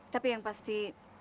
tapi yang pasti